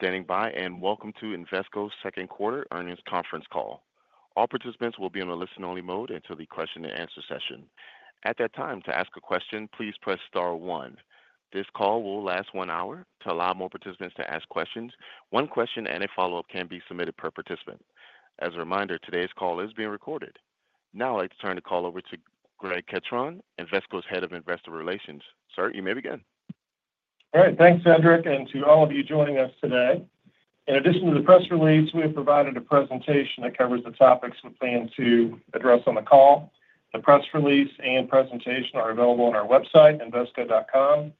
Thank you for standing by and welcome to Invesco's Second Quarter Earnings Conference Call. All participants will be in a listen only mode until the question and answer session. This call will last one hour. To allow more participants to ask questions, one question and a follow-up can be submitted per participant. As a reminder, today's call is being recorded. Now I'd to turn the call over to Greg Ketron, Invesco's Head of Investor Relations. Sir, you may begin. All right. Thanks, Cedric, and to all of you joining us today. In addition to the press release, we have provided a presentation that covers the topics we plan to address on the call. The press release and presentation are available on our website, envesto.com.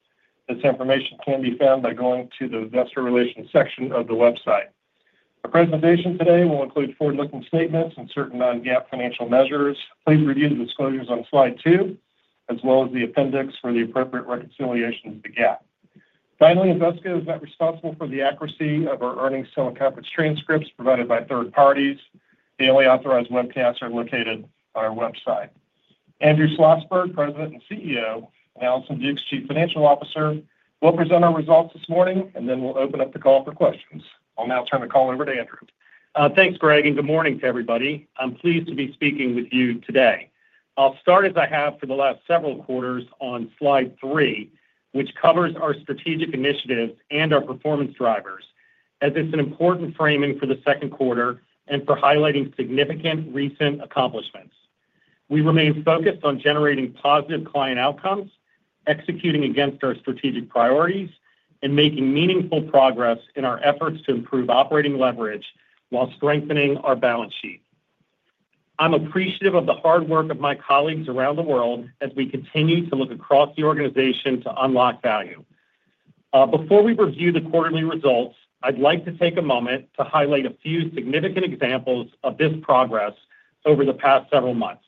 This information can be found by going to the Investor Relations section of the website. Our presentation today will include forward looking statements and certain non GAAP financial measures. Please review the disclosures on Slide two as well as the appendix for the appropriate reconciliations to GAAP. Finally, Invesco is not responsible for the accuracy of our earnings teleconference transcripts provided by third parties. Daily authorized webcasts are located on our website. Andrew Schlossberg, President and CEO and Allison Duke's Chief Financial Officer, will present our results this morning, and then we'll open up the call for questions. I'll now turn the call over to Andrew. Thanks, Greg, and good morning to everybody. I'm pleased to be speaking with you today. I'll start as I have for the last several quarters on Slide three, which covers our strategic initiatives and our performance drivers as it's an important framing for the second quarter and for highlighting significant recent accomplishments. We remain focused on generating positive client outcomes, executing against our strategic priorities and making meaningful progress in our efforts to improve operating leverage while strengthening our balance sheet. I'm appreciative of the hard work of my colleagues around the world we continue to look across the organization to unlock value. Before we review the quarterly results, I'd like to take a moment to highlight a few significant examples of this progress over the past several months.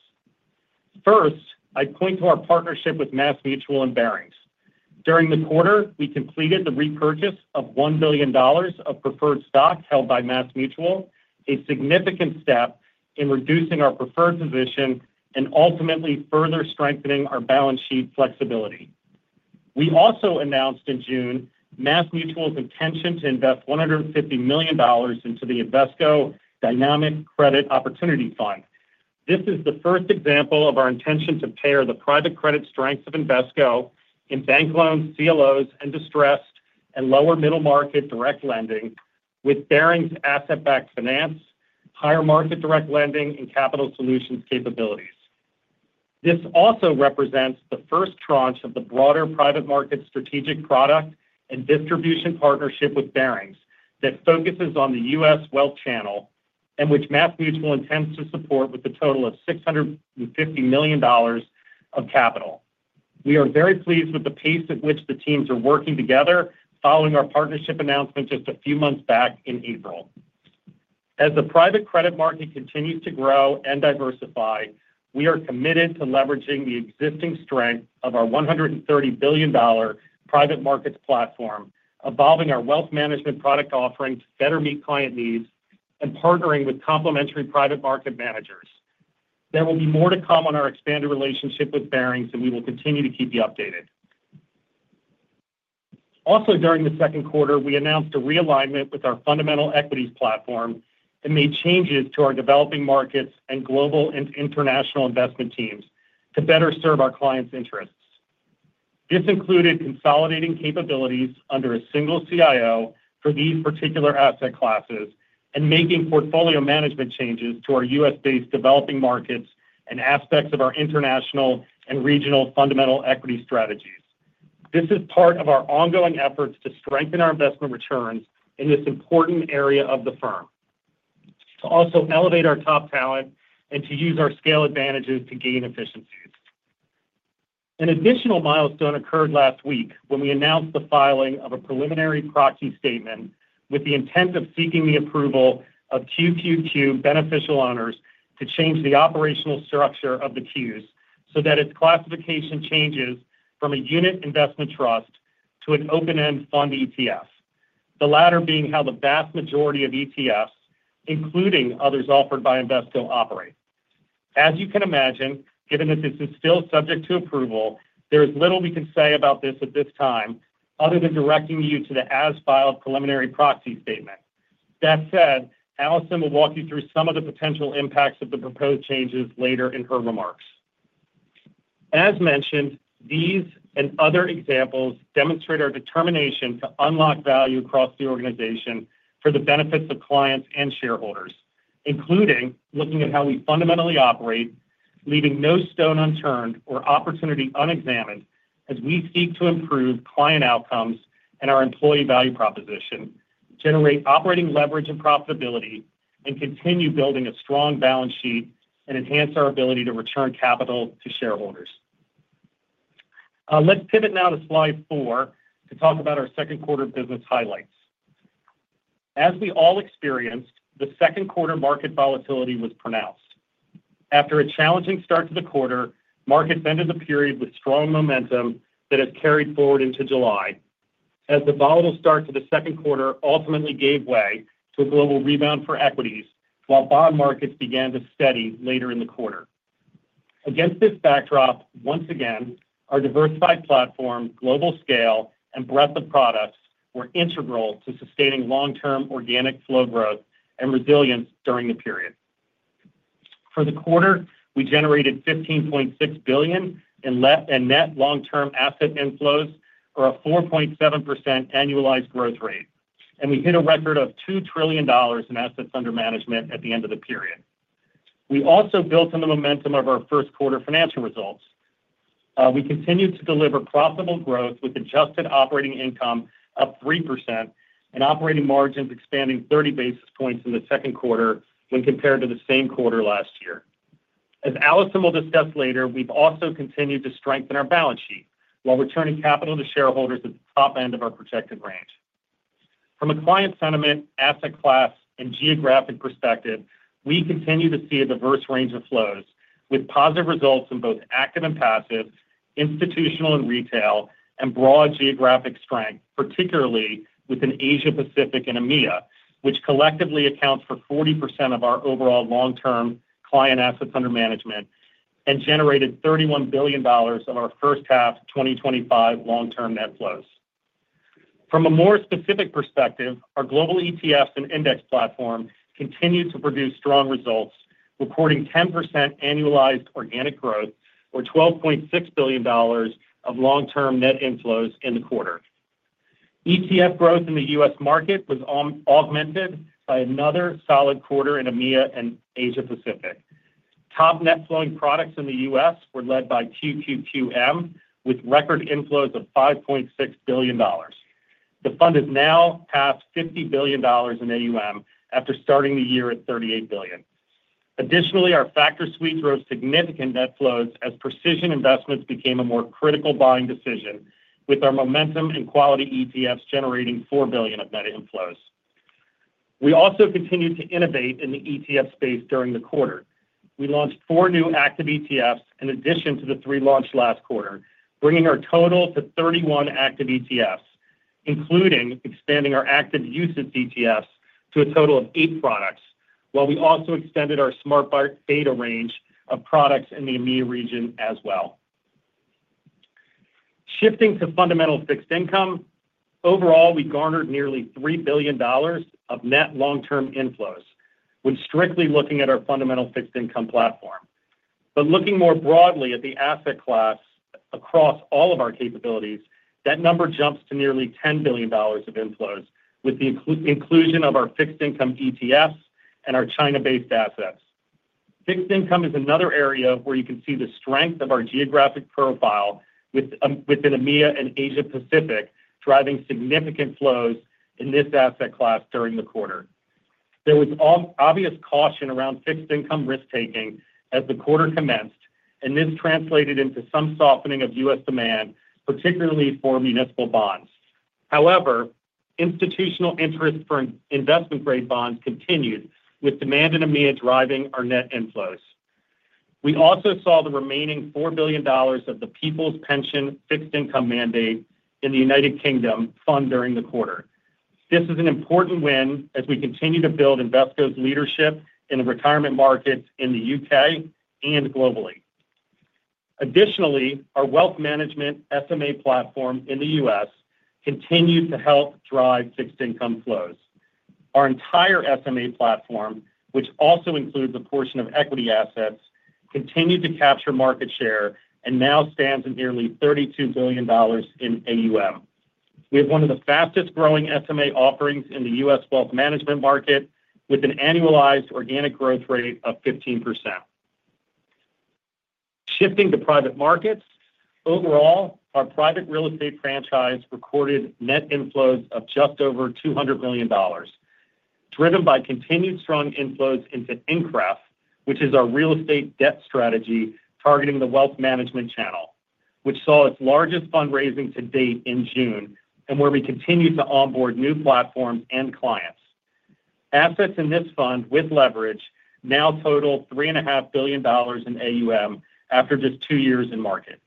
First, I'd point to our partnership with MassMutual and Bearings. During the quarter, we completed the repurchase of $1,000,000,000 of preferred stock held by MassMutual, a significant step in reducing our preferred position and ultimately further strengthening our balance sheet flexibility. We also announced in June MassMutual's intention to invest $150,000,000 into the Invesco Dynamic Credit Opportunity Fund. This is the first example of our intention to pair the private credit strengths of Invesco in bank loans, CLOs and distressed and lower middle market direct lending with Barings asset backed finance, higher market direct lending and capital solutions capabilities. This also represents the first tranche of the broader private market strategic product and distribution partnership with Barings that focuses on The U. S. Wealth channel and which MassMutual intends to support with a total of $650,000,000 of capital. We are very pleased with the pace at which the teams are working together following our partnership announcement just a few months back in April. As the private credit market continues to grow and diversify, we are committed to leveraging the existing strength of our $130,000,000,000 private markets platform, evolving our wealth management product offering to better meet client needs and partnering with complementary private market managers. There will be more to come on our expanded relationship with Barings, and we will continue to keep you updated. Also during the second quarter, we announced a realignment with our fundamental equities platform and made changes to our developing markets and global and international investment teams to better serve our clients' interests. This included consolidating capabilities under a single CIO for these particular asset classes and making portfolio management changes to our U. S.-based developing markets and aspects of our international and regional fundamental equity strategies. This is part of our ongoing efforts to strengthen our investment returns in this important area of the firm, to also elevate our top talent and to use our scale advantages to gain efficiencies. An additional milestone occurred last week when we announced the filing of a preliminary proxy statement with the intent of seeking the approval of QQQ beneficial owners to change the operational structure of the Kewes so that its classification changes from a unit investment trust to an open end fund ETF, the latter being how the vast majority of ETFs, including others offered by Invesco operate. As you can imagine, given that this is still subject to approval, there is little we can say about this at this time other than directing you to the as filed preliminary proxy statement. That said, Alison will walk you through some of the potential impacts of the proposed changes later in her remarks. As mentioned, these and other examples demonstrate our determination to unlock value across the organization for the benefits of clients and shareholders, including looking at how we fundamentally operate, leaving no stone unturned or opportunity unexamined as we seek to improve client outcomes and our employee value proposition, generate operating leverage and profitability and continue building a strong balance sheet and enhance our ability to return capital to shareholders. Let's pivot now to Slide four to talk about our second quarter business highlights. As we all experienced, the second quarter market volatility was pronounced. After a challenging start to the quarter, markets ended the period with strong momentum that has carried forward into July, as the volatile start to the second quarter ultimately gave way to a global rebound for equities, while bond markets began to steady later in the quarter. Against this backdrop, once again, our diversified platform, global scale and breadth of products were integral to sustaining long term organic flow growth and resilience during the period. For the quarter, we generated $15,600,000,000 in net long term asset inflows or a 4.7% annualized growth rate, and we hit a record of $2,000,000,000,000 in assets under management at the end of the period. We also built on the momentum of our first quarter financial results. We continued to deliver profitable growth with adjusted operating income up 3% and operating margins expanding 30 basis points in the second quarter when compared to the same quarter last year. As Alison will discuss later, we've also continued to strengthen our balance sheet while returning capital to shareholders at the top end of our projected range. From a client sentiment, asset class and geographic perspective, we continue to see a diverse range of flows with positive results in both active and passive, institutional and retail and broad geographic strength, particularly within Asia Pacific and EMEA, which collectively accounts for 40% of our overall long term client assets under management and generated $31,000,000,000 of our first half twenty twenty five long term net flows. From a more specific perspective, our global ETFs and index platform continued to produce strong results, reporting 10% annualized organic growth or 12,600,000,000 of long term net inflows in the quarter. ETF growth in The U. S. Market was augmented by another solid quarter in EMEA and Asia Pacific. Top net flowing products in The U. S. Were led by Q2QM with record inflows of $5,600,000,000 The fund is now past $50,000,000,000 in AUM after starting the year at $38,000,000,000 Additionally, our Factor Suite drove significant net flows as Precision Investments became a more critical buying decision with our momentum in quality ETFs generating $4,000,000,000 of net inflows. We also continued to innovate in the ETF space during the quarter. We launched four new active ETFs in addition to the three launched last quarter, bringing our total to 31 active ETFs, including expanding our active usage ETFs to a total of eight products, while we also extended our SmartBart data range of products in the EMEA region as well. Shifting to fundamental fixed income. Overall, we garnered nearly $3,000,000,000 of net long term inflows when strictly looking at our fundamental fixed income platform. But looking more broadly at the asset class across all of our capabilities, that number jumps to nearly $10,000,000,000 of inflows with the inclusion of our fixed income ETFs and our China based assets. Fixed income is another area where you can see the strength of our geographic profile within EMEA and Asia Pacific, driving significant flows in this asset class during the quarter. There was obvious caution around fixed income risk taking as the quarter commenced, and this translated into some softening of U. S. Demand, particularly for municipal bonds. However, institutional interest for investment grade bonds continued with demand in EMEA driving our net inflows. We also saw the remaining $4,000,000,000 of the People's Pension fixed income mandate in The United Kingdom fund during the quarter. This is an important win as we continue to build Invesco's leadership in the retirement markets in The U. K. And globally. Additionally, our wealth management SMA platform in The U. S. Continues to help drive fixed income flows. Our entire SMA platform, which also includes a portion of equity assets, continued to capture market share and now stands at nearly $32,000,000,000 in AUM. We have one of the fastest growing SMA offerings in The U. S. Wealth management market with an annualized organic growth rate of 15%. Shifting to private markets. Overall, our private real estate franchise recorded net inflows of just over $200,000,000 driven by continued strong inflows into INCREAF, which is our real estate debt strategy targeting the wealth management channel, which saw its largest fundraising to date in June and where we continue to onboard new platforms and clients. Assets in this fund with leverage now total $3,500,000,000 in AUM after just two years in market.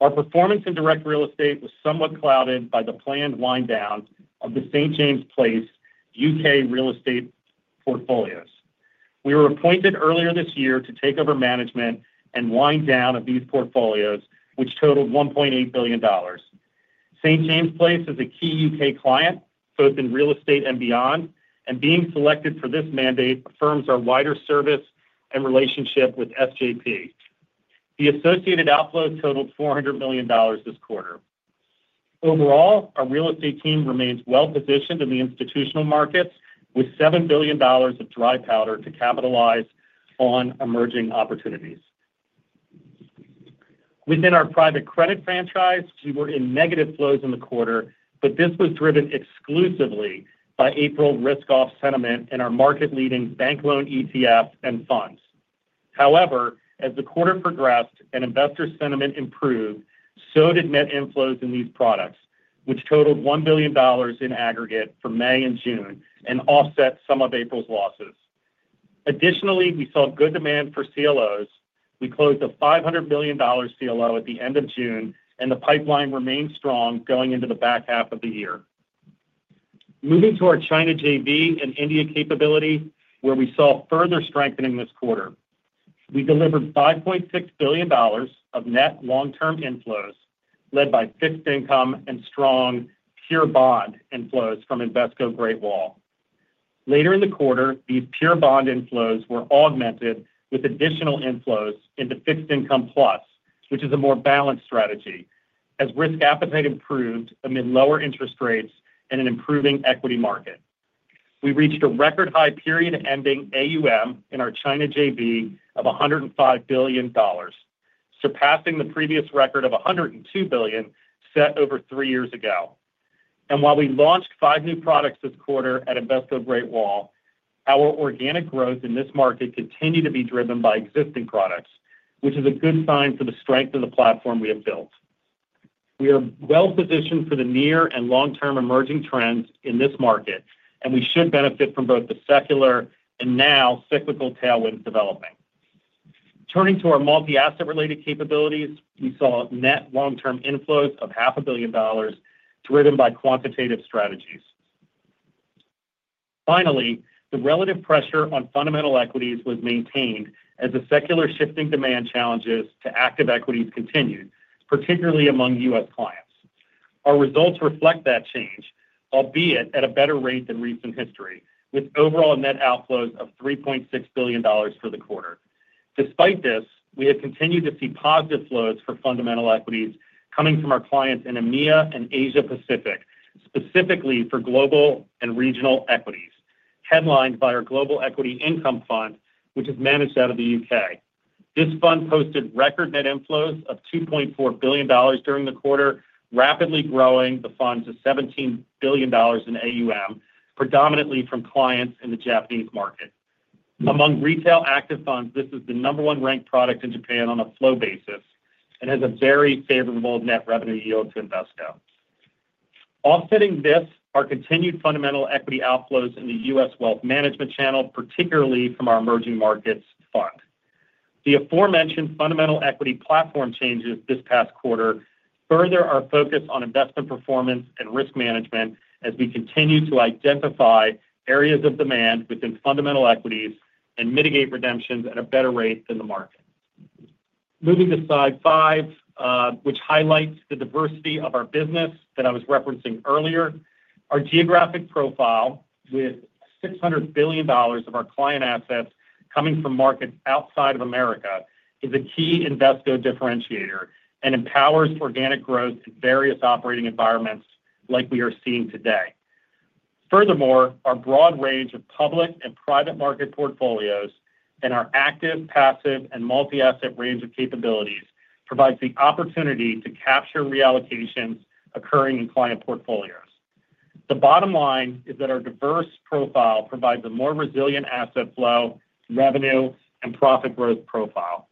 Our performance in direct real estate was somewhat clouded by the planned wind down of the St. James Place U. K. Real estate portfolios. We were appointed earlier this year to take over management and wind down of these portfolios, which totaled $1,800,000,000 St. James Place is a key U. K. Client, both in real estate and beyond, and being selected for this mandate affirms our wider service and relationship with SJP. The associated outflow totaled $400,000,000 this quarter. Overall, our real estate team remains well positioned in the institutional markets with $7,000,000,000 of dry powder to capitalize on emerging opportunities. Within our private credit franchise, we were in negative flows in the quarter, but this was driven exclusively by April risk off sentiment in our market leading bank loan ETF and funds. However, as the quarter progressed and investor sentiment improved, so did net inflows in these products, which totaled $1,000,000,000 in aggregate for May and June and offset some of April's losses. Additionally, we saw good demand for CLOs. We closed a $500,000,000 CLO at the June, and the pipeline remains strong going into the back half of the year. Moving to our China JV and India capability, where we saw further strengthening this quarter. We delivered $5,600,000,000 of net long term inflows, led by fixed income and strong pure bond inflows from Invesco Great Wall. Later in the quarter, these pure bond inflows were augmented with additional inflows into fixed income plus, which is a more balanced strategy as risk appetite improved amid lower interest rates and an improving equity market. We reached a record high period ending AUM in our China JV of $105,000,000,000 surpassing the previous record of 102,000,000,000 set over three years ago. And while we launched five new products this quarter at Invesco Great Wall, our organic growth in this market continued to be driven by existing products, which is a good sign for the strength of the platform we have built. We are well positioned for the near and long term emerging trends in this market, and we should benefit from both the secular and now cyclical tailwinds developing. Turning to our multi asset related capabilities, we saw net long term inflows of $05,000,000,000 driven by quantitative strategies. Finally, the relative pressure on fundamental equities was maintained as the secular shifting demand challenges to active equities continued, particularly among U. S. Clients. Our results reflect that change, albeit at a better rate than recent history, with overall net outflows of $3,600,000,000 for the quarter. Despite this, we have continued to see positive flows for fundamental equities coming from our clients in EMEA and Asia Pacific, specifically for global and regional equities, headlined by our Global Equity Income Fund, which is managed out of The U. K. This fund posted record net inflows of 2,400,000,000 during the quarter, rapidly growing the fund to $17,000,000,000 in AUM, predominantly from clients in the Japanese market. Among retail active funds, this is the number one ranked product in Japan on a flow basis and has a very favorable net revenue yield to Invesco. Offsetting this are continued fundamental equity outflows in The U. S. Wealth management channel, particularly from our emerging markets fund. The aforementioned fundamental equity platform changes this past quarter further our focus on investment performance and risk management as we continue to identify areas of demand within fundamental the equities and mitigate redemptions at a better rate than the market. Moving to Slide five, which highlights the diversity of our business that I was referencing earlier. Our geographic profile, with $600,000,000,000 of our client assets coming from markets outside of America, is a key Invesco differentiator and empowers organic growth in various operating environments like we are seeing today. Furthermore, our broad range of public and private market portfolios and our active, passive and multi asset range of capabilities provides the opportunity to capture reallocations occurring in client portfolios. The bottom line is that our diverse profile provides a more resilient asset flow, revenue and profit growth profile.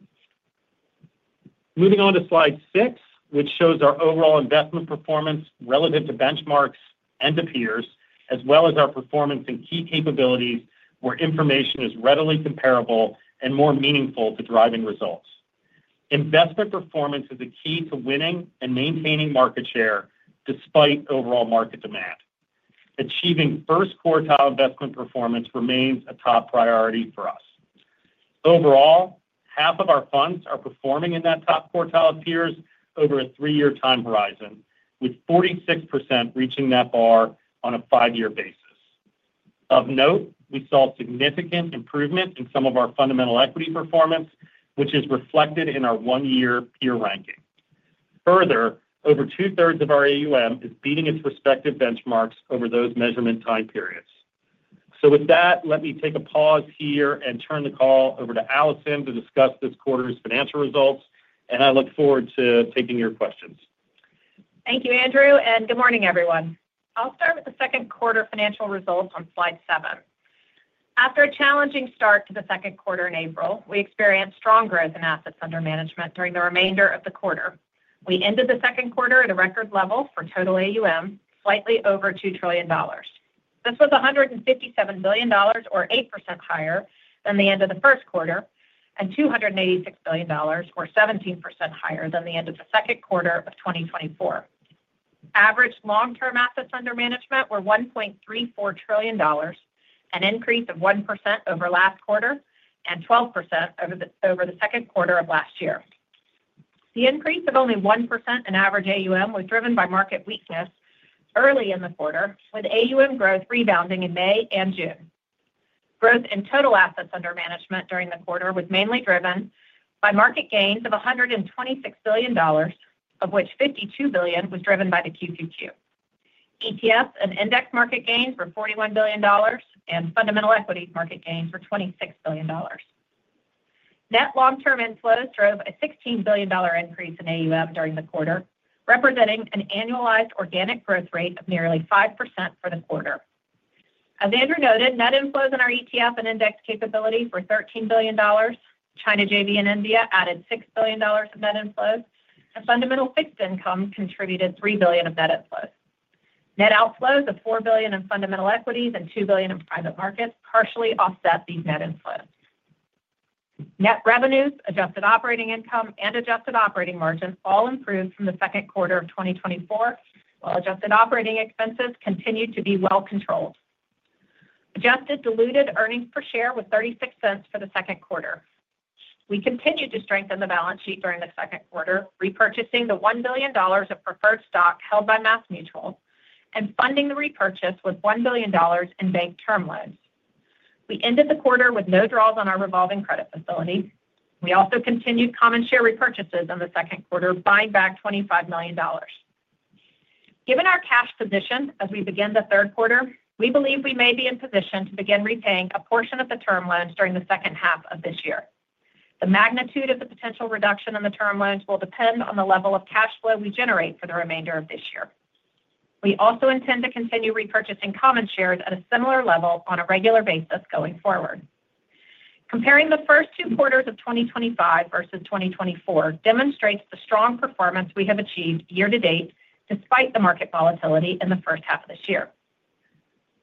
Moving on to Slide six, which shows our overall investment performance relative to benchmarks and to peers as well as our performance in key capabilities where information is readily comparable and more meaningful to driving results. Investment performance is the key to winning and maintaining market share despite overall market demand. Achieving first quartile investment performance remains a top priority for us. Overall, half of our funds are performing in that top quartile of peers over a three year time horizon, with 46% reaching that bar on a five year basis. Of note, we saw significant improvement in some of our fundamental equity performance, which is reflected in our one year peer ranking. Further, over twothree of our AUM is beating its respective benchmarks over those measurement time periods. So with that, let me take a pause here and turn the call over to Alison to discuss this quarter's financial results, and I look forward to taking your questions. Thank you, Andrew, and good morning, everyone. I'll start with the second quarter financial results on Slide seven. After a challenging start to the second quarter in April, we experienced strong growth in assets under management during the remainder of the quarter. We ended the second quarter at a record level for total AUM, slightly over $2,000,000,000,000 This was $157,000,000,000 or 8% higher than the end of the first quarter and $286,000,000,000 or 17% higher than the end of the second quarter of twenty twenty four. Average long term assets under management were $1,340,000,000,000 an increase of 1% over last quarter and 12% over the second quarter of last year. The increase of only 1% in average AUM was driven by market weakness early in the quarter, with AUM growth rebounding in May and June. Growth in total assets under management during the quarter was mainly driven by market gains of 126,000,000,000 of which $52,000,000,000 was driven by the Q2Q. ETFs and index market gains were $41,000,000,000 and fundamental equity market gains were $26,000,000,000 Net long term inflows drove a $16,000,000,000 increase in AUM during the quarter, representing an annualized organic growth rate of nearly 5% for the quarter. As Andrew noted, net inflows in our ETF and index capabilities were $13,000,000,000 China JV in India added $6,000,000,000 of net inflows, and fundamental fixed income contributed $3,000,000,000 of net inflows. Net outflows of $4,000,000,000 in fundamental equities and $2,000,000,000 in private markets partially offset these net inflows. Net revenues, adjusted operating income and adjusted operating margin all improved from the second quarter of twenty twenty four, while adjusted operating expenses continued to be well controlled. Adjusted diluted earnings per share were $0.36 for the second quarter. We continued to strengthen the balance sheet during the second quarter, repurchasing the $1,000,000,000 of preferred stock held by MassMutual and funding the repurchase with $1,000,000,000 in bank term loans. We ended the quarter with no draws on our revolving credit facility. We also continued common share repurchases in the second quarter, buying back $25,000,000 Given our cash position as we begin the third quarter, we believe we may be in position to begin repaying a portion of the term loans during the second half of this year. The magnitude of the potential reduction in the term loans will depend on the level of cash flow we generate for the remainder of this year. We also intend to continue repurchasing common shares at a similar level on a regular basis going forward. Comparing the 2025 versus 2024 demonstrates the strong performance we have achieved year to date despite the market volatility in the first half of this year.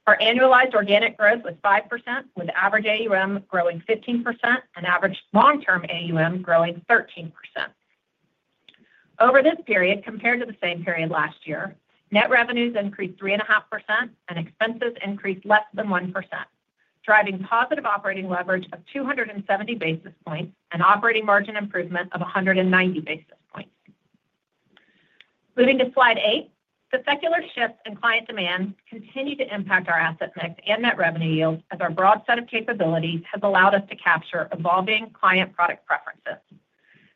Our annualized organic growth was 5%, with average AUM growing 15% and average long term AUM growing 13%. Over this period compared to the same period last year, net revenues increased 3.5% and expenses increased less than 1%, driving positive operating leverage of two seventy basis points and operating margin improvement of 190 basis points. Moving to Slide eight. The secular shift in client demand continued to impact our asset mix and net revenue yields as our broad set of capabilities has allowed us to capture evolving client product preferences.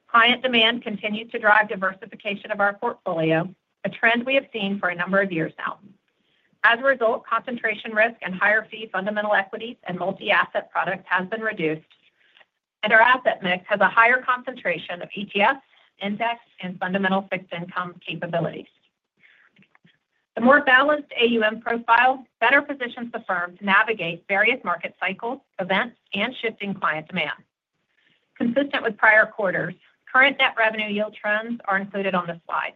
Client demand continues to drive diversification of our portfolio, a trend we have seen for a number of years now. As a result, concentration risk and higher fee fundamental equities and multi asset products has been reduced, and our asset mix has a higher concentration of ETFs, index and fundamental fixed income capabilities. The more balanced AUM profile better positions the firm to navigate various market cycles, events and shifting client demand. Consistent with prior quarters, current net revenue yield trends are included on this slide.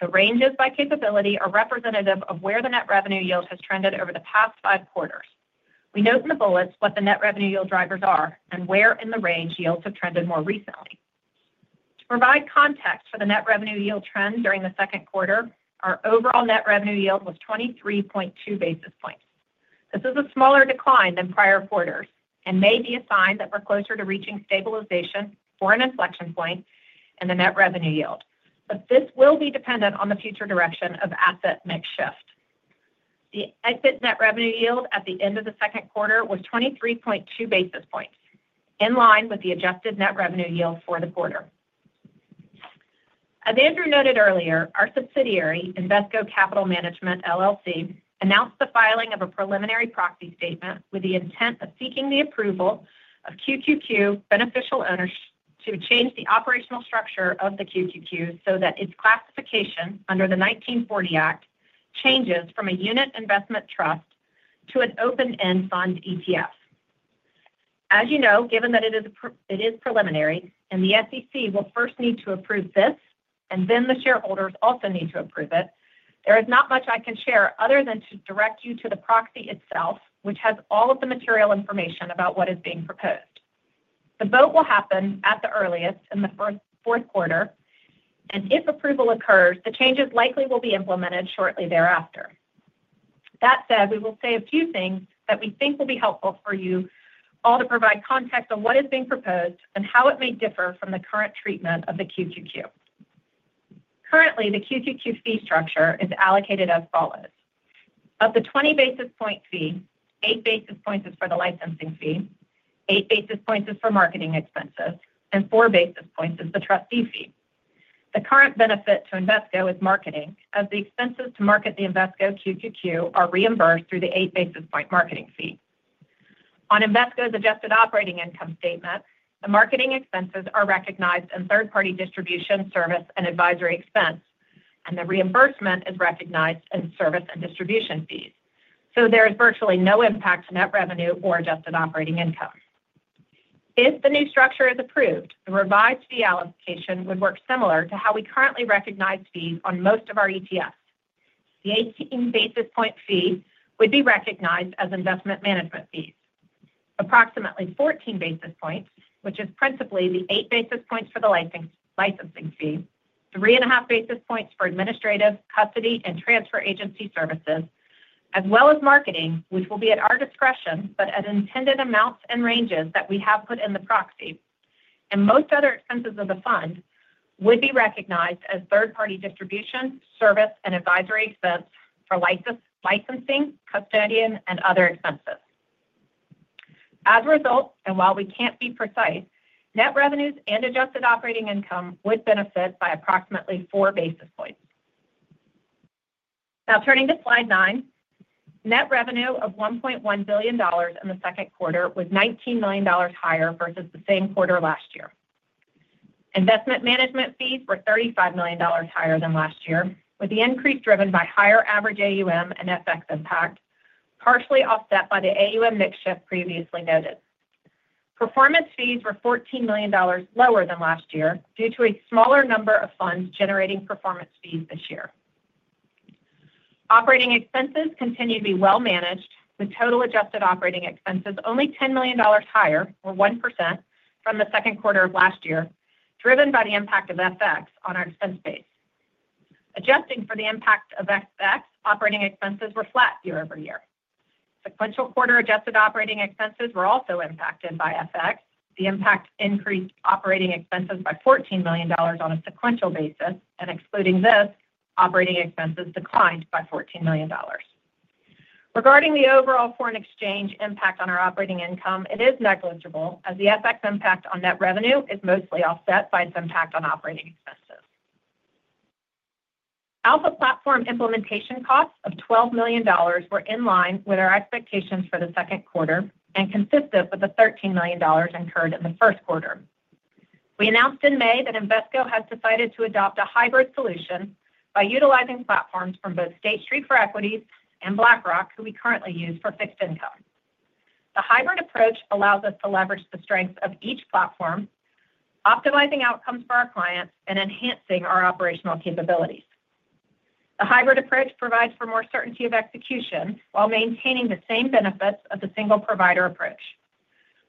The ranges by capability are representative of where the net revenue yield has trended over the past five quarters. We note in the bullets what the net revenue yield drivers are and where in the range yields have trended more recently. To provide context for the net revenue yield trend during the second quarter, our overall net revenue yield was 23.2 basis points. This is a smaller decline than prior quarters and may be a sign that we're closer to reaching stabilization or an inflection point in the net revenue yield, but this will be dependent on the future direction of asset mix shift. The exit net revenue yield at the end of the second quarter was 23.2 basis points, in line with the adjusted net revenue yield for the quarter. As Andrew noted earlier, our subsidiary, Invesco Capital Management LLC, announced the filing of a preliminary proxy statement with the intent of seeking the approval of QQQ beneficial owners to change the operational structure of the QQQ so that its classification under the 1940 Act changes from a unit investment trust to an open end fund ETF. As you know, given that it is preliminary and the SEC will first need to approve this and then the shareholders also need to approve it, there is not much I can share other than to direct you to the proxy itself, which has all of the material information about what is being proposed. The vote will happen at the earliest in the fourth quarter. And if approval occurs, the changes likely will be implemented shortly thereafter. That said, we will say a few things that we think will be helpful for you all to provide context on what is being proposed and how it may differ from the current treatment of the QQQ. Currently, the QQQ fee structure is allocated as follows: Of the 20 basis point fee, eight basis points is for the licensing fee, eight basis points is for marketing expenses and four basis points is the trustee fee. The current benefit to Invesco is marketing as the expenses to market the Invesco Q2Q are reimbursed through the eight basis point marketing fee. On Invesco's adjusted operating income statement, the marketing expenses are recognized in third party distribution, service and advisory expense, and the reimbursement is recognized in service and distribution fees. So there is virtually no impact to net revenue or adjusted operating income. If the new structure is approved, the revised fee allocation would work similar to how we currently recognize fees on most of our ETFs. The 18 basis point fee would be recognized as investment management fees. Approximately 14 basis points, which is principally the eight basis points for the licensing fee, 3.5 basis points for administrative, custody and transfer agency services as well as marketing, which will be at our discretion but at intended amounts and ranges that we have put in the proxy. And most other expenses of the fund would be recognized as third party distribution, service and advisory expense for licensing, custodian and other expenses. As a result, and while we can't be precise, net revenues and adjusted operating income would benefit by approximately four basis points. Now turning to Slide nine. Net revenue of $1,100,000,000 in the second quarter was $19,000,000 higher versus the same quarter last year. Investment management fees were $35,000,000 higher than last year, with the increase driven by higher average AUM and FX impact, partially offset by the AUM mix shift previously noted. Performance fees were $14,000,000 lower than last year due to a smaller number of funds generating performance fees this year. Operating expenses continue to be well managed with total adjusted operating expenses only $10,000,000 higher or 1% from the second quarter of last year, driven by the impact of FX on our expense base. Adjusting for the impact of FX, operating expenses were flat year over year. Sequential quarter adjusted operating expenses were also impacted by FX. The impact increased operating expenses by $14,000,000 on a sequential basis. And excluding this, operating expenses declined by $14,000,000 Regarding the overall foreign exchange impact on our operating income, it is negligible as the FX impact on net revenue is mostly offset by its impact on operating expenses. Alpha platform implementation costs of $12,000,000 were in line with our expectations for the second quarter and consistent with the $13,000,000 incurred in the first quarter. We announced in May that Invesco has decided to adopt a hybrid solution by utilizing platforms from both State Street for Equities and BlackRock, who we currently use for fixed income. The hybrid approach allows us to leverage the strength of each platform, optimizing outcomes for our clients and enhancing our operational capabilities. The hybrid approach provides for more certainty of execution while maintaining the same benefits of the single provider approach,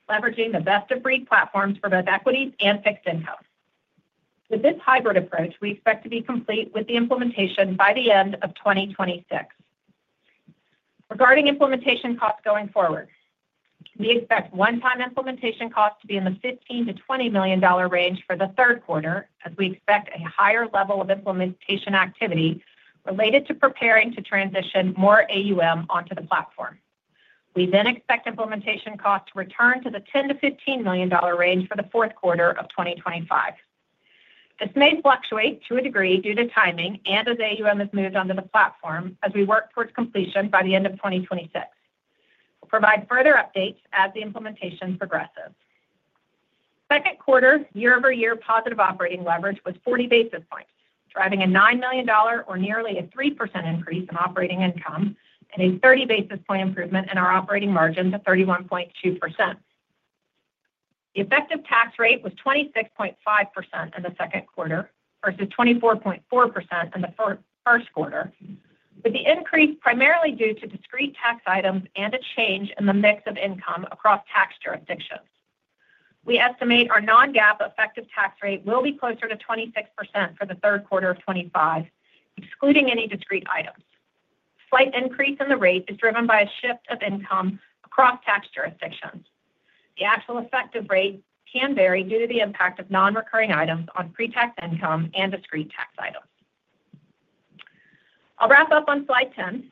leveraging the best of breed platforms for both equity and fixed income. With this hybrid approach, we expect to be complete with the implementation by the end of twenty twenty six. Regarding implementation costs going forward, we expect onetime implementation costs to be in the 15,000,000 to $20,000,000 range for the third quarter as we expect a higher level of implementation activity related to preparing to transition more AUM onto the platform. We then expect implementation costs to return to the 10,000,000 to $15,000,000 range for the fourth quarter of twenty twenty five. This may fluctuate to a degree due to timing and as AUM has moved onto the platform as we work towards completion by the end of twenty twenty six. We'll provide further updates as the implementation progresses. Second quarter year over year positive operating leverage was 40 basis points, driving a $9,000,000 or nearly a 3% increase in operating income and a 30 basis point improvement in our operating margin to 31.2%. The effective tax rate was 26.5% in the second quarter versus 24.4% in the first quarter, with the increase primarily due to discrete tax items and a change in the mix of income across tax jurisdictions. We estimate our non GAAP effective tax rate will be closer to 26% for the third quarter of 'twenty five, excluding any discrete items. Slight increase in the rate is driven by a shift of income across tax jurisdictions. The actual effective rate can vary due to the impact of nonrecurring items on pretax income and discrete tax items. I'll wrap up on Slide 10.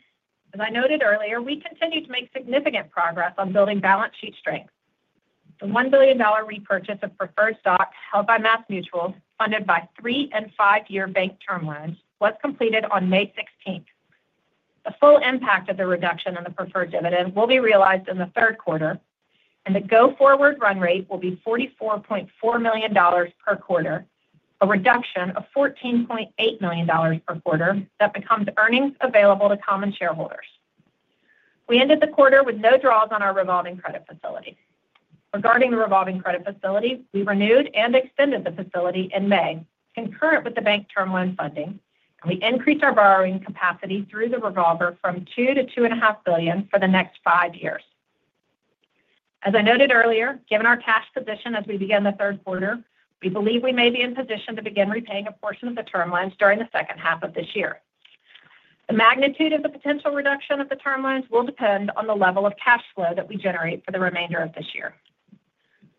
As I noted earlier, we continue to make significant progress on building balance sheet strength. The $1,000,000,000 repurchase of preferred stock held by MassMutual, funded by three- and five year bank term loans, was completed on May 16. The full impact of the reduction in the preferred dividend will be realized in the third quarter, and the go forward run rate will be $44,400,000 per quarter, a reduction of $14,800,000 per quarter that becomes earnings available to common shareholders. We ended the quarter with no draws on our revolving credit facility. Regarding the revolving credit facility, we renewed and extended the facility in May, concurrent with the bank term loan funding, and we increased our borrowing capacity through the revolver from 2,000,000,000 to $2,500,000,000 for the next five years. As I noted earlier, given our cash position as we began the third quarter, we believe we may be in position to begin repaying a portion of the term loans during the second half of this year. The magnitude of the potential reduction of the term loans will depend on the level of cash flow that we generate for the remainder of this year.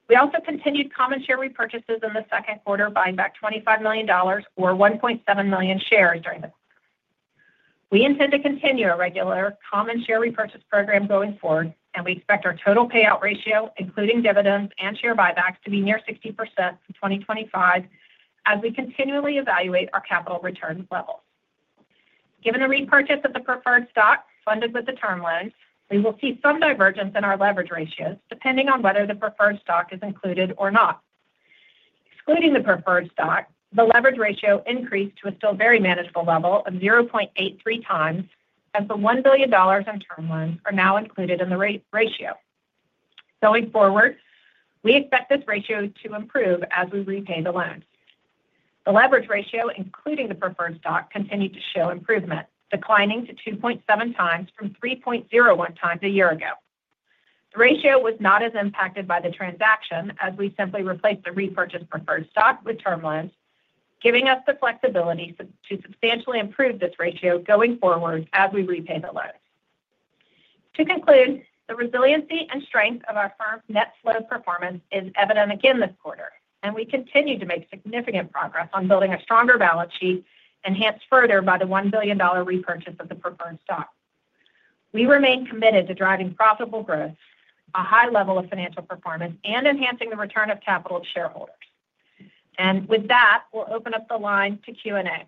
We also continued common share repurchases in the second quarter, buying back $25,000,000 or 1,700,000.0 shares during the quarter. We intend to continue our regular common share repurchase program going forward, and we expect our total payout ratio, including dividends and share buybacks, to be near 60% from 2025 as we continually evaluate our capital return level. Given the repurchase of the preferred stock funded with the term loans, we will see some divergence in our leverage ratios depending on whether the preferred stock is included or not. Excluding the preferred stock, the leverage ratio increased to a still very manageable level of 0.83 times as the $1,000,000,000 in term loans are now included in the ratio. Going forward, we expect this ratio to improve as we repay the loans. The leverage ratio, including the preferred stock, continued to show improvement, declining to 2.7x from 3.01x a year ago. The ratio was not as impacted by the transaction as we simply replaced the repurchased preferred stock with term loans, giving us the flexibility to substantially improve this ratio going forward as we repay the loans. To conclude, the resiliency and strength of our firm's net flow performance is evident again this quarter, and we continue to make significant progress on building a stronger balance sheet enhanced further by the $1,000,000,000 repurchase of the preferred stock. We remain committed to driving profitable growth, a high level of financial performance and enhancing the return of capital to shareholders. And with that, we'll open up the line to Q and A.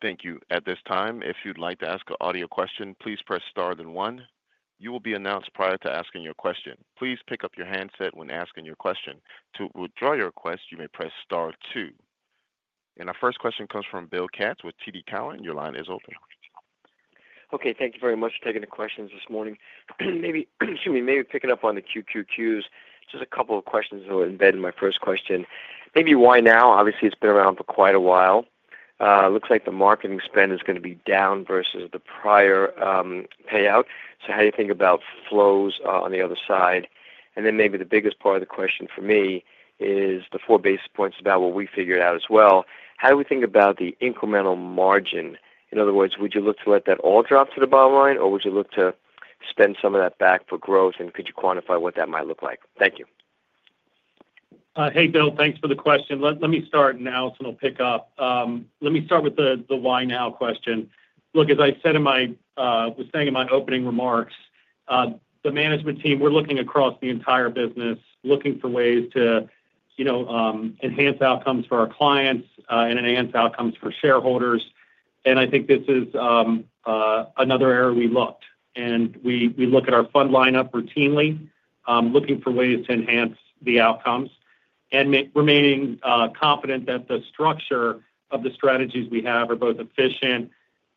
Thank you. And our first question comes from Bill Katz with TD Cowen. Your line is open. Okay. Thank you very much for taking the questions this morning. Maybe picking up on the QQQs, just a couple of questions that will embed in my first question. Maybe why now? Obviously, it's been around for quite a while. It looks like the marketing spend is going to be down versus the prior payout. So how do think about flows on the other side? And then maybe the biggest part of the question for me is the four basis points about what we figured out as well. How do we think about the incremental margin? In other words, would you look to let that all drop to the bottom line? Or would you look to spend some of that back for growth? And could you quantify what that might look like? Thank you. Hey, Bill. Thanks for the question. Let me start and Allison will pick up. Let me start with the why now question. Look, as I said in my I was saying in my opening remarks, the management team, we're looking across the entire business, looking for ways to enhance outcomes for our clients and enhance outcomes for shareholders. And I think this is another area we looked. And we look at our fund lineup routinely, looking for ways to enhance the outcomes and remaining confident that the structure of the strategies we have are both efficient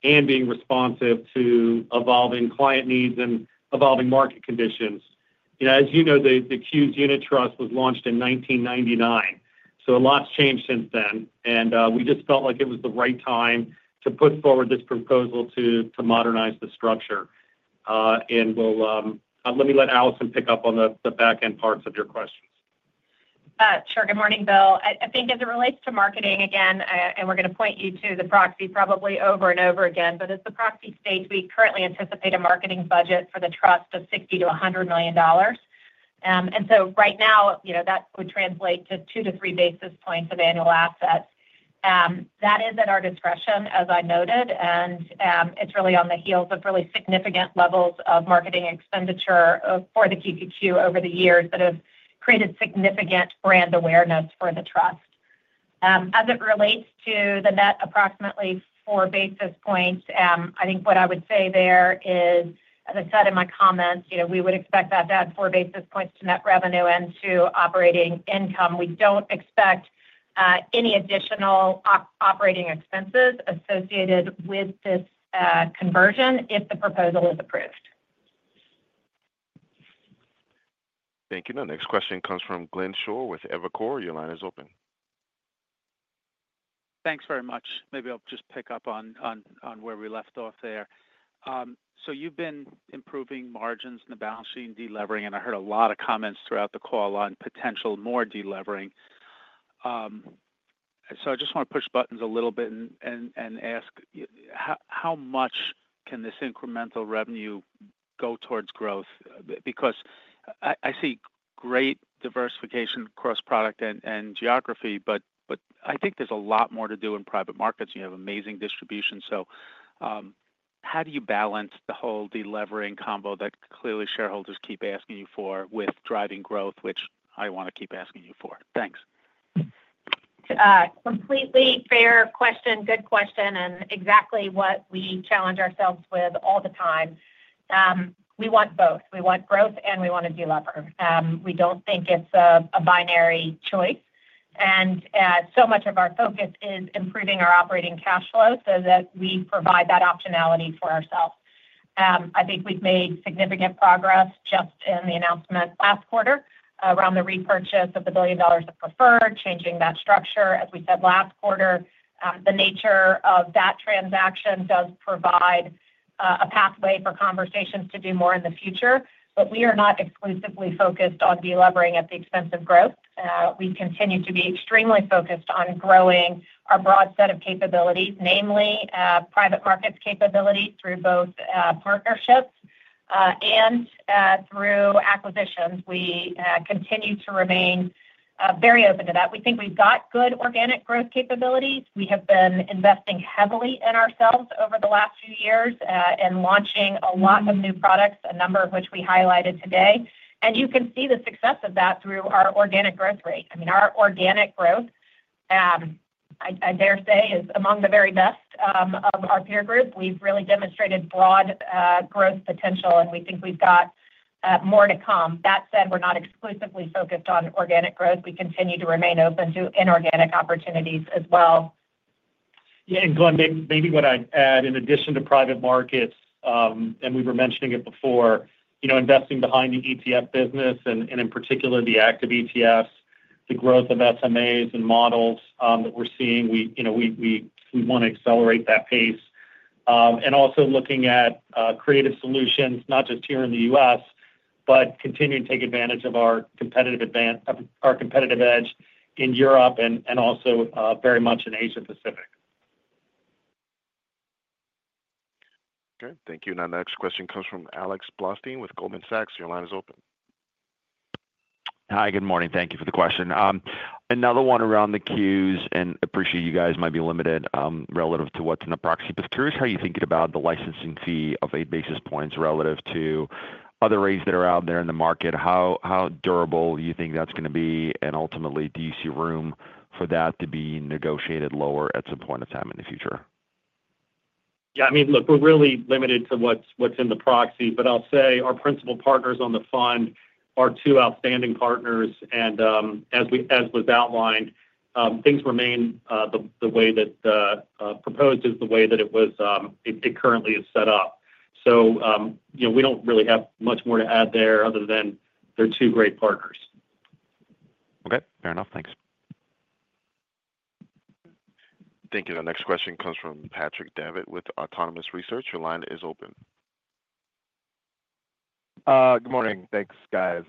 and being responsive to evolving client needs and evolving market conditions. As you know, the CUES unit trust was launched in 1999. So a lot's changed since then. And we just felt like it was the right time to put forward this proposal to modernize the structure. And we'll let me let Alison pick up on the back end parts of your questions. Sure. Bill, I think as it relates to marketing, again and we're going to point you to the proxy probably over and over again, but as the proxy states, we currently anticipate a marketing budget for the trust of 60,000,000 to $100,000,000 And so right now, that would translate to two to three basis points of annual assets. That is at our discretion, as I noted, and it's really on the heels of really significant levels of marketing expenditure for the QQQ over the years that have created significant brand awareness for the trust. As it relates to the net approximately four basis points, I think what I would say there is, as I said in my comments, we would expect that to add four basis points to net revenue and to operating income. We don't expect any additional operating expenses associated with this conversion if the proposal is approved. Thank you. And our next question comes from Glenn Schorr with Evercore. Your line is open. Thanks very much. Maybe I'll just pick up on where we left off there. So you've been improving margins in the balance sheet and delevering and I heard a lot of comments throughout the call on potential more delevering. So I just want to push buttons a little bit and ask how much can this incremental revenue go towards growth? Because see great diversification across product and geography, but I think there's a lot more to do in private markets. You have amazing distribution. So how do you balance the whole delevering combo that clearly shareholders keep asking you for with driving growth, which I want to keep asking you for? Thanks. Completely fair question, good question, and exactly what we challenge ourselves with all the time. We want both. We want growth and we want to delever. We don't think it's a binary choice. And so much of our focus is improving our operating cash flow so that we provide that optionality for ourselves. I think we've made significant progress just in the announcement last quarter around the repurchase of $1,000,000,000 of preferred, changing that structure. As we said last quarter, the nature of that transaction does provide a pathway for conversations to do more in the future, But we are not exclusively focused on delevering at the expense of growth. We continue to be extremely focused on growing our broad set of capabilities, namely private markets capability through both partnerships and through acquisitions. We continue to remain very open to that. We think we've got good organic growth capabilities. We have been investing heavily in ourselves over the last few years and launching a lot of new products, a number of which we highlighted today. And you can see the success of that through our organic growth rate. I mean our organic growth, I dare say, is among the very best of our peer group. We've really demonstrated broad growth potential, and we think we've got more to come. That said, we're not exclusively focused on organic growth. We continue to remain open to inorganic opportunities as well. Yes. And Glenn, maybe what I'd add, in addition to private markets, and we were mentioning it before, investing behind the ETF business and, in particular, the active ETFs, the growth of SMAs and models that we're seeing, we want to accelerate that pace. And also looking at creative solutions, not just here in The U. S, but continuing to take advantage of our competitive edge in Europe and also very much in Asia Pacific. Okay. Thank you. And our next question comes from Alex Blostein with Goldman Sachs. Your line is open. Hi. Good morning. Thank you for the question. Another one around the queues, and appreciate you guys might be limited relative to what's in the proxy. But curious how you're thinking about the licensing fee of 8 basis points relative to other rates that are out there in the market. How durable do you think that's going to be? And ultimately, do you see room for that to be negotiated lower at some point in time in the future? Yes. I mean, look, we're really limited to what's in the proxy. But I'll say our principal partners on the fund are two outstanding partners. And as was outlined, things remain the way that proposed is the way that it was it currently is set up. So we don't really have much more to add there other than they're two great partners. Okay. Fair enough. Thanks. Thank you. The next question comes from Patrick Davitt with Autonomous Research. Your line is open. Good morning. Thanks, guys.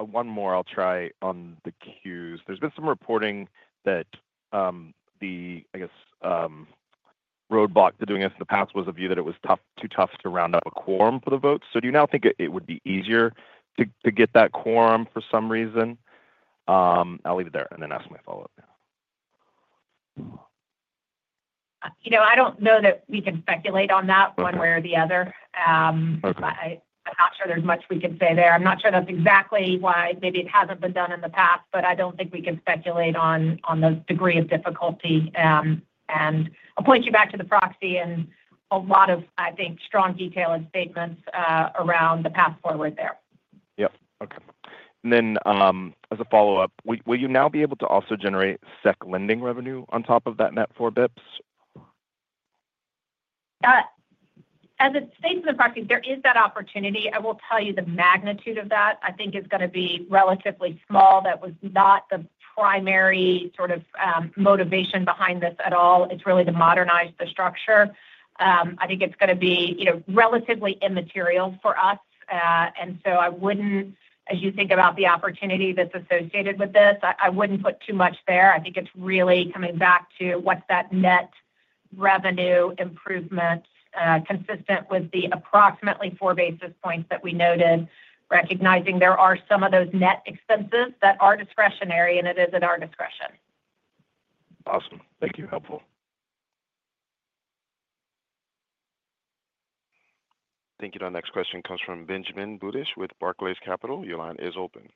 One more, I'll try on the queues. There's been some reporting that the, I guess, roadblock to doing this in the past was a view that it was tough too tough to round up a quorum for the votes. So do you now think it it would be easier to to get that quorum for some reason? I'll leave it there and then ask my follow-up. You know, I don't know that we can speculate on that one way or the other. Okay. I I'm not sure there's much we can say there. I'm not sure that's exactly why maybe it hasn't been done in the past, but I don't think we can speculate on the degree of difficulty. And I'll point you back to the proxy and a lot of, I think, strong detail and statements around the path forward there. Yes. Okay. And then as a follow-up, will you now be able to also generate SEC lending revenue on top of that net four bps? As it states in the proxy, there is that opportunity. I will tell you the magnitude of that. I think it's gonna be relatively small. That was not the primary sort of motivation behind this at all. It's really to modernize the structure. I think it's going to be relatively immaterial for us. And so I wouldn't as you think about the opportunity that's associated with this, I wouldn't put too much there. I think it's really coming back to what's that net revenue improvement consistent with the approximately four basis points that we noted, recognizing there are some of those net expenses that are discretionary and it is at our discretion. Thank you. Helpful. Thank you. Our next question comes from Benjamin Butish with Barclays Capital. Your line is open.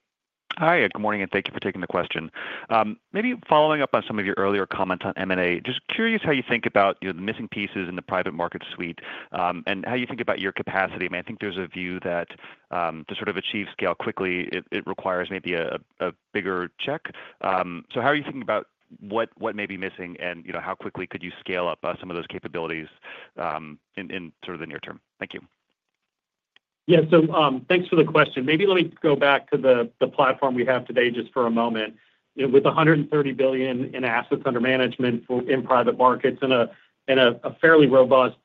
Hi. Good morning and thank you for taking the question. Maybe following up on some of your earlier comments on M and A. Just curious how you think about the missing pieces in the private market suite and how you think about your capacity. I I think there's a view that to sort of achieve scale quickly, it requires maybe a bigger check. So how are you thinking about what may be missing? And how quickly could you scale up some of those capabilities, in sort of the near term? Yes. So thanks for the question. Maybe let me go back to the platform we have today just for a moment. With $130,000,000,000 in assets under management in private markets and a fairly robust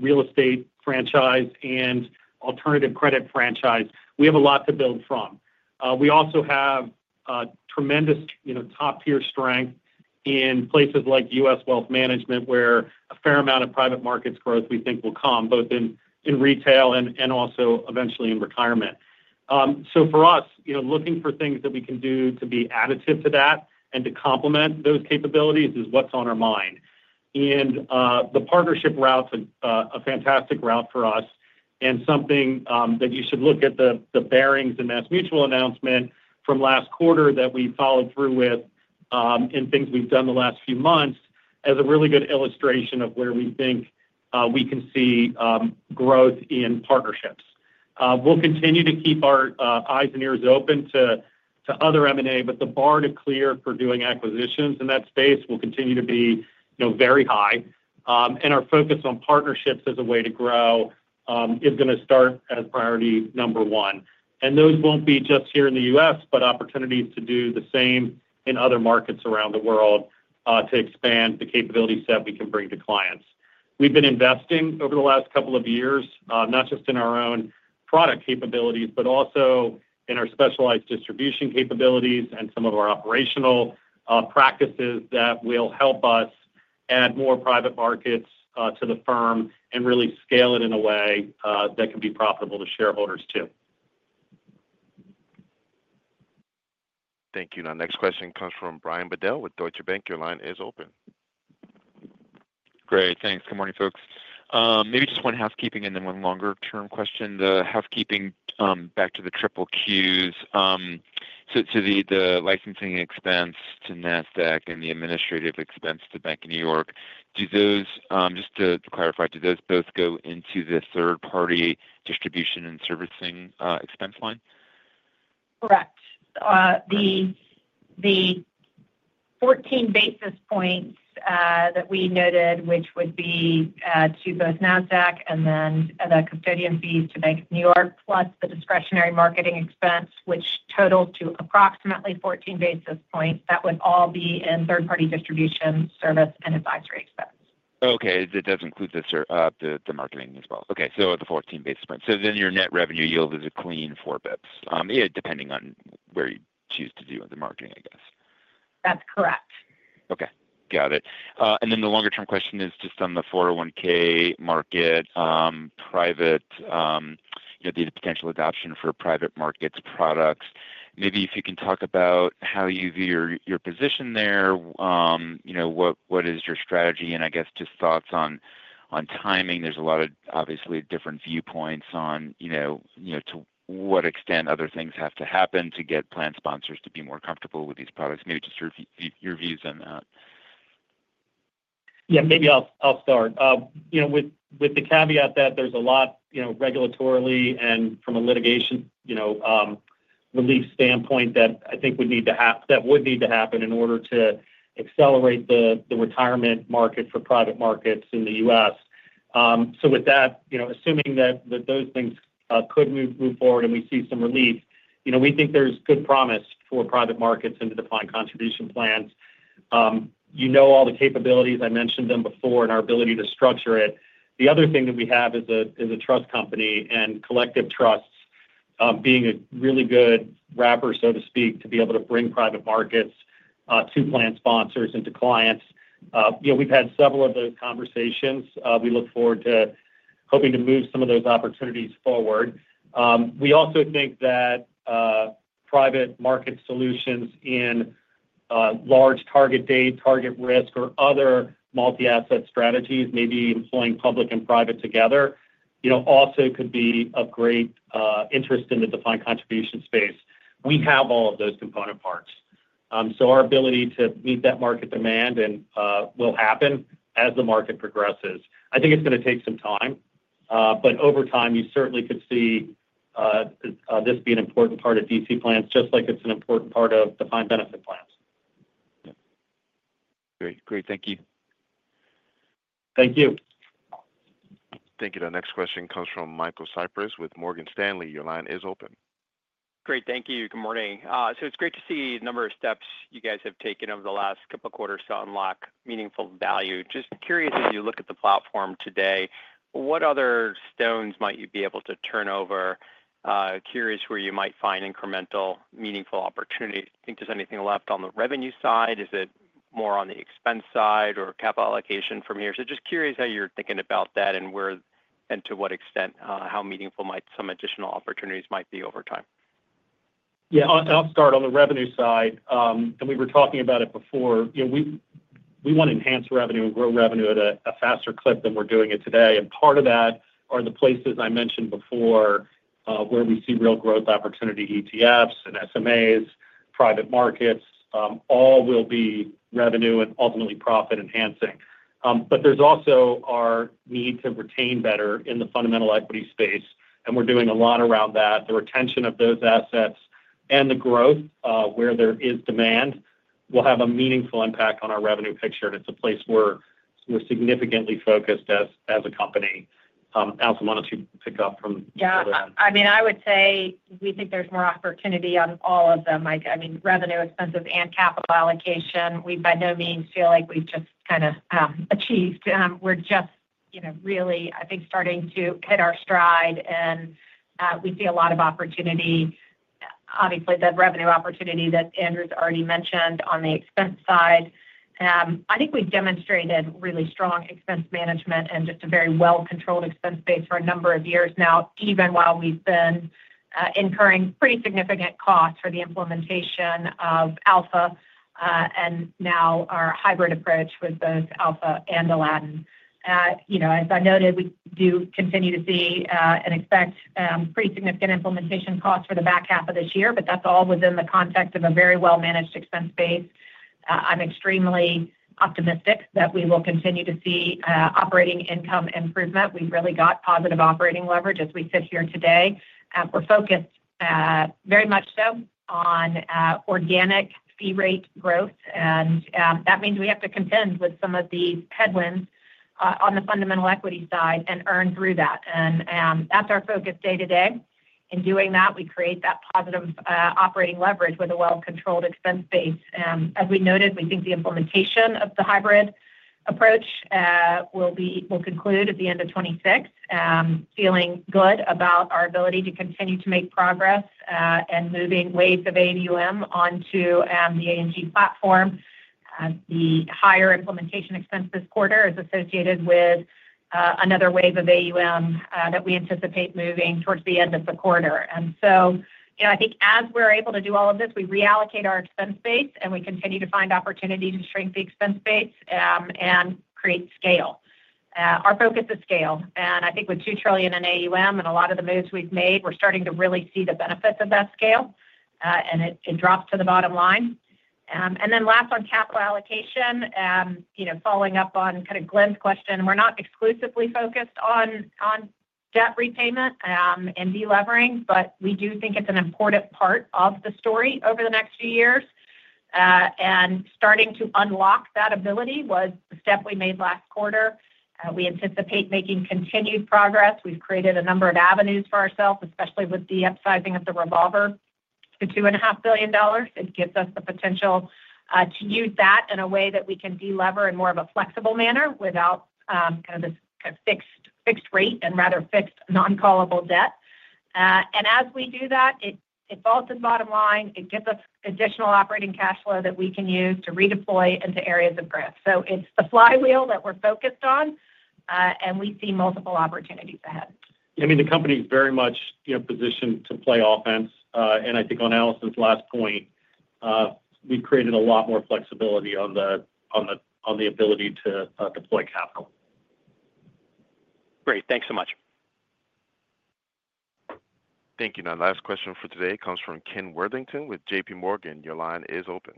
real estate franchise and alternative credit franchise, we have a lot to build from. We also have tremendous top tier strength in places like U. S. Wealth management, where a fair amount of private markets growth, we think, will come, both in retail and also eventually in retirement. So for us, looking for things that we can do to be additive to that and to complement those capabilities is what's on our mind. And the partnership route is a fantastic route for us and something that you should look at the Barings and MassMutual announcement from last quarter that we followed through with and things we've done the last few months as a really good illustration of where we think we can see growth in partnerships. We'll continue to keep our eyes and ears open to other M and A, but the bar to clear for doing acquisitions in that space will continue to be very high. And our focus on partnerships as a way to grow is going to start as priority number one. And those won't be just here in The U. S, but opportunities to do the same in other markets around the world to expand the capabilities that we can bring to clients. We've been investing over the last couple of years, not just in our own product capabilities, but also in our specialized distribution capabilities and some of our operational practices that will help us add more private markets to the firm and really scale it in a way that can be profitable to shareholders too. Thank you. And our next question comes from Brian Bedell with Deutsche Bank. Your line is open. Great. Thanks. Good morning, folks. Maybe just one housekeeping and then one longer term question. Housekeeping back to the triple Qs. So the licensing expense to NASDAQ and the administrative expense to Bank of New York, do those just to clarify, do those both go into the third party distribution and servicing expense line? Correct. The 14 basis points that we noted, which would be to both NASDAQ and then the custodian fees to Bank of New York plus the discretionary marketing expense, which totaled to approximately 14 basis points, that would all be in third party distribution service and advisory expense. Okay. It does include the marketing as well. Okay. So the 14 basis points. So then your net revenue yield is a clean four bps, depending on where you choose to do with the marketing, I guess. That's correct. Okay. Got it. And then the longer term question is just on the four zero one market, private, the potential adoption for private markets products. Maybe if you can talk about how you view your position there? What is your strategy? And I guess just thoughts on timing. There's a lot of obviously different viewpoints on to what extent other things have to happen to get plant sponsors to be more comfortable with these products. Maybe just your views on that. Yes. Maybe I'll start. With the caveat that there's a lot regulatorily and from a litigation relief standpoint, that I think would need to that would need to happen in order to accelerate the retirement market for private markets in The U. S. So with that, assuming that those things could move forward and we see some relief, we think there's good promise for private markets and the defined contribution plans. You know all the capabilities. I mentioned them before and our ability to structure it. The other thing that we have is trust company and collective trusts, being a really good wrapper, so to speak, to be able to bring private markets to plant sponsors and to clients. We've had several of those conversations. We look forward to hoping to move some of those opportunities forward. We also think that private market solutions in large target date, target risk or other multi asset strategies, maybe employing public and private together, also could be of great interest in the defined contribution space. We have all of those component parts. So our ability to meet that market demand will happen as the market progresses. I think it's going to take some time. But over time, you certainly could see this be an important part of D. C. Plans just like it's an important part of defined benefit plans. Thank you. Thank you. Thank you. The next question comes from Michael Cyprys with Morgan Stanley. Your line is open. Great. Thank you. Good morning. So it's great to see a number of steps you guys have taken over the last couple of quarters to unlock meaningful value. Just curious, as you look at the platform today, what other stones might you be able to turn over? Curious where you might find incremental meaningful opportunity. I think there's anything left on the revenue side. Is it more on the expense side or capital allocation from here? So just curious how you're thinking about that and where and to what extent how meaningful might some additional opportunities might be over time? Yes. I'll start on the revenue side. And we were talking about it before. We want to enhance revenue and grow revenue at a faster clip than we're doing it today. And part of that are the places I mentioned before where we see real growth opportunity ETFs and SMAs, private markets, all will be revenue and ultimately profit enhancing. But there's also our need to retain better in the fundamental equity space, and we're doing a lot around that. The retention of those assets and the growth where there is demand will have a meaningful impact on our revenue picture. It's a place where we're significantly focused as a company. Allison, why don't you pick up from Yes. Other I mean I would say we think there's more opportunity on all of them, Mike. I mean revenue, expenses and capital allocation, We, by no means, feel like we've just kind of achieved. We're just really, I think, starting to hit our stride, and we see a lot of opportunity. Obviously, that revenue opportunity that Andrew has already mentioned on the expense side. I think we've demonstrated really strong expense management and just a very well controlled expense base for a number of years now, even while we've been incurring pretty significant costs for the implementation of Alpha and now our hybrid approach with both Alpha and Aladdin. As I noted, we do continue to see and expect pretty significant implementation costs for the back half of this year, but that's all within the context of a very well managed expense base. I'm extremely optimistic that we will continue to see operating income improvement. We've really got positive operating leverage as we sit here today. We're focused very much so on organic fee rate growth. And that means we have to contend with some of the headwinds on the fundamental equity side and earn through that. And that's our focus day to day. In doing that, we create that positive operating leverage with a well controlled expense base. As we noted, we think the implementation of the hybrid approach will be we'll conclude at the end of twenty twenty six, feeling good about our ability to continue to make progress and moving ways of AUM onto the AMG platform. The higher implementation expense this quarter is associated with another wave of AUM that we anticipate moving towards the end of the quarter. And so I think as we're able to do all of this, we reallocate our expense base, and we continue to find opportunity to shrink the expense base and create scale. Our focus is scale. And I think with $2,000,000,000,000 in AUM and a lot of the moves we've made, we're starting to really see the benefits of that scale, and it drops to the bottom line. And then last on capital allocation, following up on kind of Glenn's question, we're not exclusively focused on debt repayment and delevering, but we do think it's an important part of the story over the next few years. And starting to unlock that ability was the step we made last quarter. We anticipate making continued progress. We've created a number of avenues for ourselves, especially with the upsizing of the revolver to $2,500,000,000 It gives us the potential to use that in a way that we can delever in more of a flexible manner without kind of fixed rate and rather fixed non callable debt. And as we do that, it falls to the bottom line. It gives us additional operating cash flow that we can use to redeploy into areas of growth. So it's the flywheel that we're focused on, and we see multiple opportunities ahead. Yes. I mean the company is very much positioned to play offense. And I think on Alison's last point, we've created a lot more flexibility on the ability to deploy capital. Thanks so much. Thank you. And our last question for today comes from Ken Worthington with JPMorgan. Your line is open.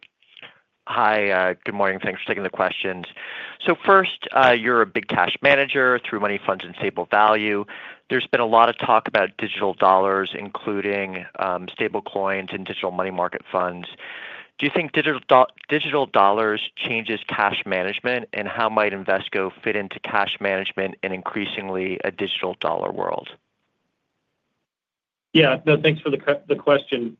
Hi, good morning. Thanks for taking the questions. So first, you're a big cash manager through money funds and stable value. There's been a lot of talk about digital dollars, including stable coins and digital money market funds. Do you think digital dollars changes cash management? And how might Invesco fit into cash management in increasingly a digital dollar world? Yes. No, thanks for the question.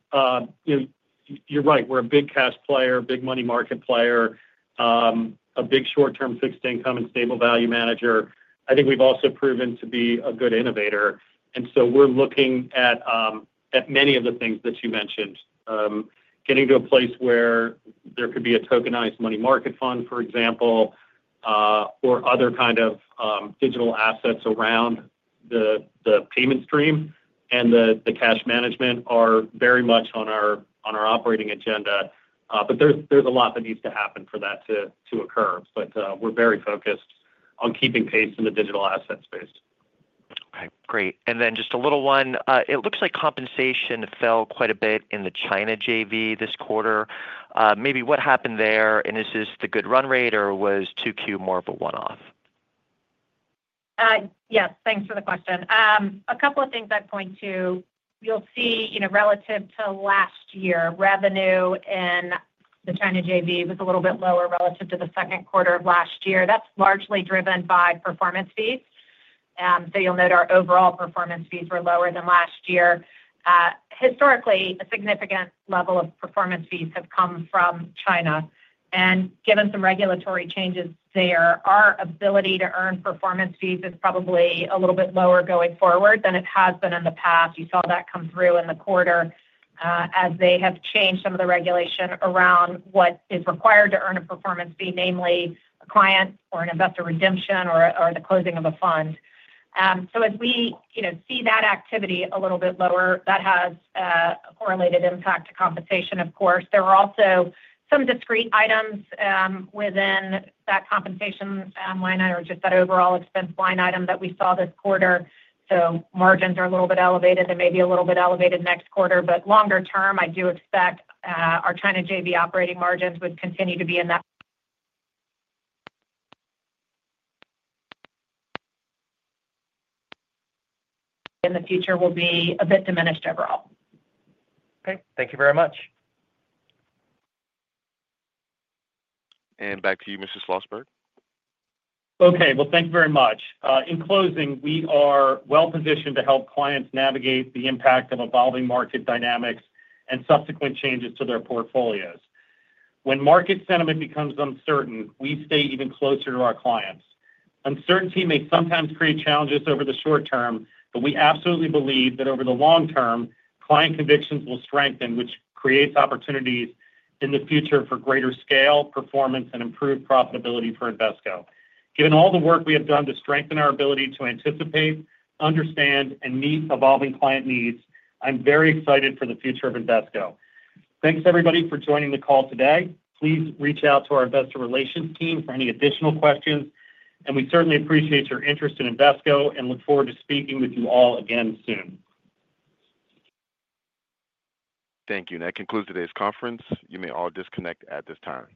You're right. We're a big cash player, big money market player, a big short term fixed income and stable value manager. I think we've also proven to be a good innovator. And so we're looking at many of the things that you mentioned. Getting to a place where there could be a tokenized money market fund, for example, or other kind of digital assets around the payment stream and the cash management are very much on our operating agenda. But there's a lot that needs to happen for that to occur. But we're very focused on keeping pace in the digital asset space. Okay. Great. And then just a little one. It looks like compensation fell quite a bit in the China JV this quarter. Maybe what happened there? And is this the good run rate? Or was 2Q more of a one off? Yes. Thanks for the question. A couple of things I'd point to. You'll see relative to last year, revenue in the China JV was a little bit lower relative to the second quarter of last year. That's largely driven by performance fees. So you'll note our overall performance fees were lower than last year. Historically, a significant level of performance fees have come from China. And given some regulatory changes there, our ability to earn performance fees is probably a little bit lower going forward than it has been in the past. You saw that come through in the quarter as they have changed some of the regulation around what is required to earn a performance fee, namely a client or an investor redemption or the closing of a fund. So as we see that activity a little bit lower, that has a correlated impact to compensation, of course. There were also some discrete items within that compensation line item or just that overall expense line item that we saw this quarter. So margins are a little bit elevated and maybe a little bit elevated next quarter. But longer term, I do expect our China JV operating margins would continue to be in the future will be a bit diminished overall. Okay. Thank you very much. And back to you, Mr. Slossberg. Okay. Well, thank you very much. In closing, we are well positioned to help clients navigate the impact of evolving market dynamics and subsequent changes to their portfolios. When market sentiment becomes uncertain, we stay even closer to our clients. Uncertainty may sometimes create challenges over the short term, but we absolutely believe that over the long term, client convictions will strengthen, which creates opportunities in the future for greater scale, performance and improved profitability for Invesco. Given all the work we have done to strengthen our ability to anticipate, understand and meet evolving client needs, I'm very excited for the future of Invesco. Thanks, everybody, for joining the call today. Please reach out to our Investor Relations team for any additional questions. And we certainly appreciate your interest in Invesco and look forward to speaking with you all again soon. Thank you. And that concludes today's conference. You may all disconnect at this time.